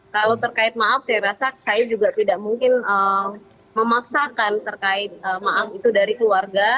kalau terkait maaf saya rasa saya juga tidak mungkin memaksakan terkait maaf itu dari keluarga